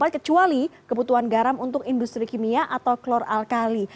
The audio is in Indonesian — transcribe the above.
kecuali kebutuhan garam untuk industri kimia atau kloralkali